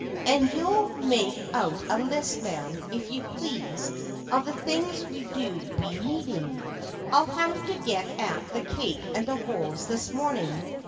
"And you'll make out a list, ma'am, if you please, of the things we do be needing. I'd have to get at the cake and the rolls this morning.